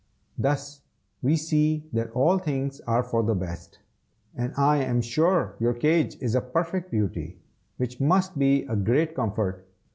Thus we see that all things are for the best! and I am sure your cage is a perfect beauty, which must be a great comfort.